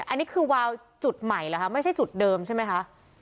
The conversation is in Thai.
อันนี้คือวาวจุดใหม่เหรอคะไม่ใช่จุดเดิมใช่ไหมคะ